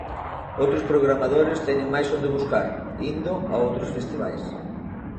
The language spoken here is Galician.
Outros programadores teñen máis onde buscar, indo a outros festivais.